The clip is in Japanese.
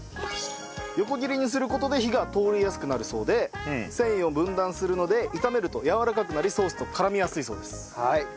横切りにする事で火が通りやすくなるそうで繊維を分断するので炒めるとやわらかくなりソースと絡みやすいそうです。